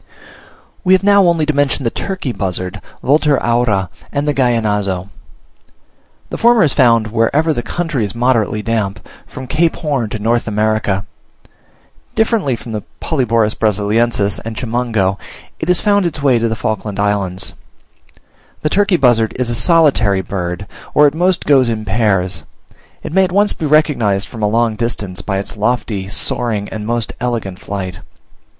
We have now only to mention the turkey buzzard (Vultur aura), and the Gallinazo. The former is found wherever the country is moderately damp, from Cape Horn to North America. Differently from the Polyborus Brasiliensis and Chimango, it has found its way to the Falkland Islands. The turkey buzzard is a solitary bird, or at most goes in pairs. It may at once be recognised from a long distance, by its lofty, soaring, and most elegant flight.